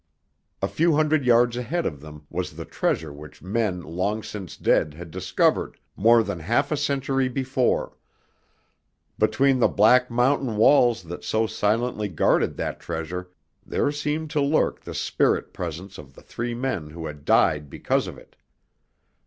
A few hundred yards ahead of them was the treasure which men long since dead had discovered more than half a century before; between the black mountain walls that so silently guarded that treasure there seemed to lurk the spirit presence of the three men who had died because of it.